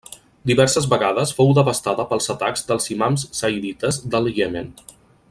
Diverses vegades fou devastada pels atacs dels imams zaidites del Iemen.